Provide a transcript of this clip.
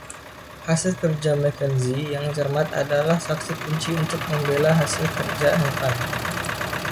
Hasil kerja Mackenzie yang cermat adalah saksi kunci untuk membela hasil kerja Evan.